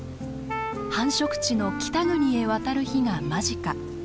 繁殖地の北国へ渡る日が間近。